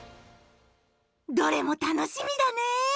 どれも楽しみだね。